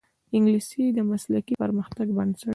انګلیسي د مسلکي پرمختګ بنسټ دی